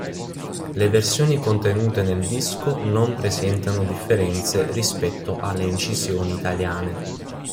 Le versioni contenute nel disco non presentano differenze rispetto alle incisioni italiane.